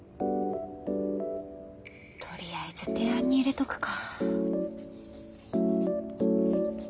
とりあえず提案に入れとくか。